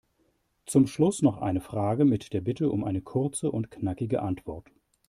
Zum Schluss noch eine Frage mit der Bitte um eine kurze und knackige Antwort.